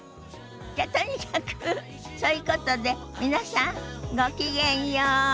じゃとにかくそういうことで皆さんごきげんよう。